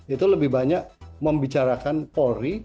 itu lebih banyak membicarakan polri